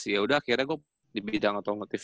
yaudah akhirnya gua di bidang otomotif